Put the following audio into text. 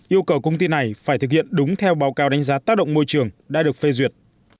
yêu cầu công ty này phải thực hiện đúng theo báo cáo đánh giá tác động môi trường đã được phê duyệt